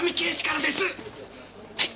はい！